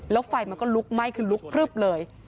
แล้วไฟมันก็ลุกไหม้คือลุกพลึบเลย